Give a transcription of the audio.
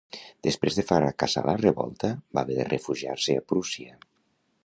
Després de fracassar la revolta, va haver de refugiar-se a Prússia.